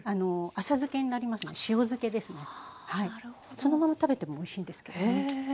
そのまま食べてもおいしいんですけどね。